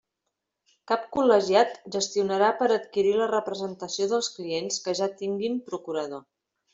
Cap col·legiat gestionarà per adquirir la representació dels clients que ja tinguen procurador.